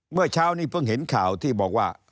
เมื่อเช้านี้เพิ่งเห็นข่าวที่บอกว่า